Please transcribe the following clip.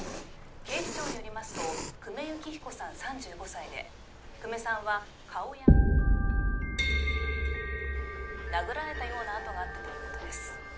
警視庁によりますと久米幸彦さん３５歳で久米さんは顔や殴られたような痕があったということです